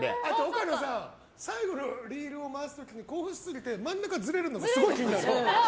岡野さん最後のリールを回す時に興奮しすぎて真ん中がずれるのすごい気になる。